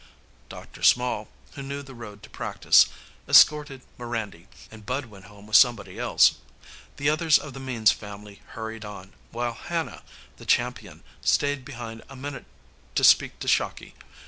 Dr. Small, who knew the road to practice, escorted Mirandy, and Bud went home with somebody else. The others of the Means family hurried on, while Hannah, the champion, stayed behind a minute to speak to Shocky.